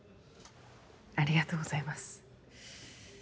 ありがとうございます。